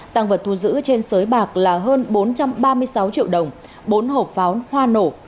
tăng vật thu giữ trên sới bạc là hơn bốn trăm ba mươi sáu triệu đồng bốn hộp pháo hoa nổ